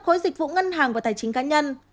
khối dịch vụ ngân hàng và tài chính cá nhân